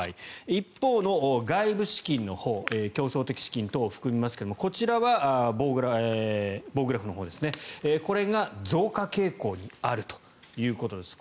一方の外部資金のほう競争的資金などを含みますがこちらは棒グラフのほうですねこれが増加傾向にあるということです。